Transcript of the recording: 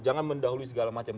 jangan mendahului segala macam